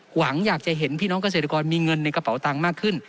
หวังอยากจะเห็นพี่น้องเกษตรกรมีเงินในกระเป๋าตังค์มากขึ้น